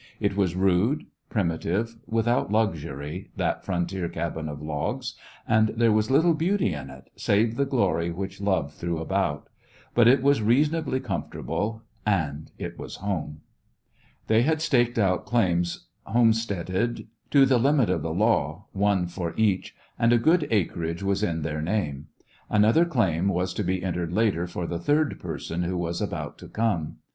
It was rude, primitive, without luxury, that frontier cahin of logs, and there was little beauty in it save the glory which love threw about; but it was reason ably comfortable, and it was homel They had staked out claims, home steaded, to the limit of the law, one for each, and a good acreage was in their name. Another claim was to be entered later for the third person who was about to come.